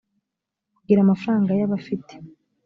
kugira amafaranga y abafite